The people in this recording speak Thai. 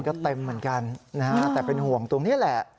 ก็เต็มเหมือนกันนะฮะแต่เป็นห่วงตรงนี้แหละ